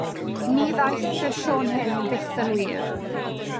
Ni ddaeth y sïon hyn byth yn wir.